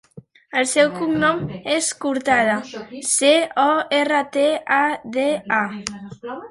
El seu cognom és Cortada: ce, o, erra, te, a, de, a.